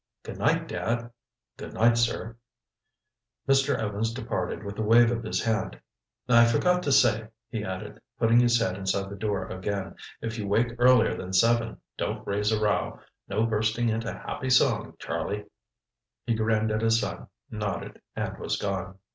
"Good night, Dad." "Good night, sir." Mr. Evans departed with a wave of his hand. "I forgot to say," he added, putting his head inside the door again, "if you wake earlier than seven, don't raise a row. No bursting into happy song, Charlie...." He grinned at his son, nodded, and was gone.